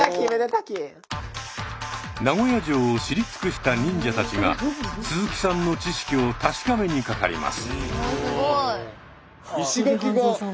名古屋城を知り尽くした忍者たちが鈴木さんの知識を確かめにかかります。